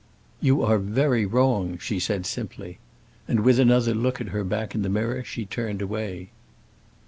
"You are very wrong," she said, simply. And with another look at her back in the mirror she turned away.